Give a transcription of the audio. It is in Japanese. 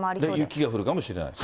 雪が降るかもしれないと？